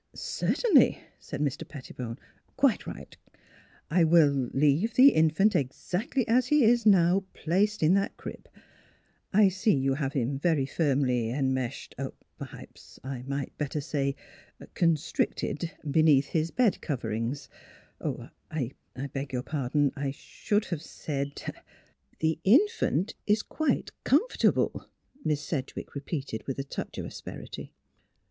" Certainly," said Mr. Pettibone. " Quite right. I will er leave the infant exactly as he is now placed in that crib. I see you have him very firmly immeshed perhaps I might better say er constricted beneath his bed coverings. 66 NEIGHBORS ... I er beg your pardon. I should have said "" The infant is quite comfortable," Miss Sedgewick repeated with a touch of asperity.